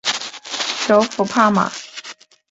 首府帕马。